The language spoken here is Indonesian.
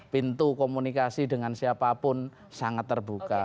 pintu komunikasi dengan siapapun sangat terbuka